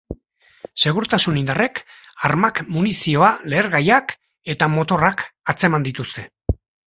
Segurtasun indarrek armak, munizioa, lehergaiak, eta motorrak atzeman dituzte.